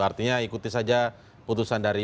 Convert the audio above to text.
artinya ikuti saja putusan dari